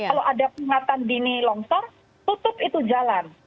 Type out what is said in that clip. kalau ada peringatan dini longsor tutup itu jalan